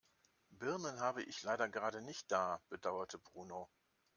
Birnen habe ich leider gerade nicht da, bedauerte Bruno.